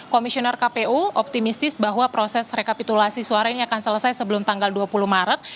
komisioner kpu optimistis bahwa proses rekapitulasi suara ini akan selesai sebelum tanggal dua puluh maret